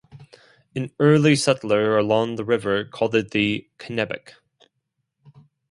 An early settler along the river called it the Kenebec.